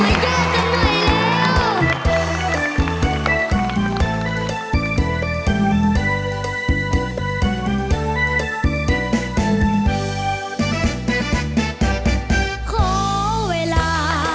มันยากกันเวลา